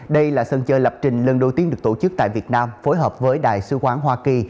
đây là sân chơi lập trình lần đầu tiên được tổ chức tại việt nam phối hợp với đại sứ quán hoa kỳ